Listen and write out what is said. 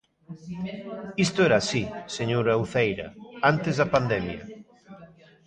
Isto era así, señora Uceira, antes da pandemia.